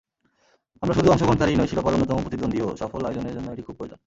আমরা শুধু অংশগ্রহণকারীই নই, শিরোপার অন্যতম প্রতিদ্বন্দ্বীও—সফল আয়োজনের জন্য এটি খুব প্রয়োজন।